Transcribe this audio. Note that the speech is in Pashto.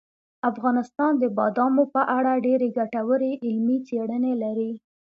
افغانستان د بادامو په اړه ډېرې ګټورې علمي څېړنې لري.